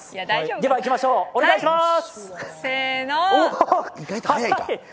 ではいきましょう、お願いします！